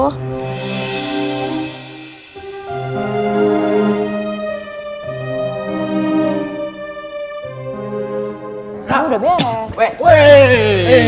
lo udah beres